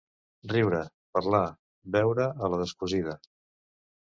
Riure, parlar, beure, a la descosida.